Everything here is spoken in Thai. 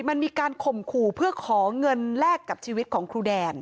มันมีการข่มขู่เพื่อขอเงินแลกกับชีวิตของครูแดน